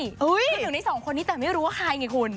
ก็อยู่ใน๒คนนี่แต่ไม่รู้ว่าใครงี้คุณ